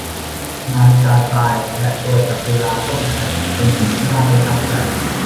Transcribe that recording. นาฬิกาทรายและตัวจับเวลาต้มไข่เป็นสิ่งที่น่าประทับใจ